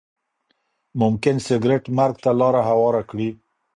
ممکن سګریټ مرګ ته لاره هواره کړي.